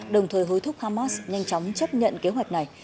đồng thời hối thúc hamas nhanh chóng chấp nhận kế hoạch này